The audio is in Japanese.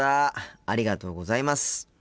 ありがとうございます。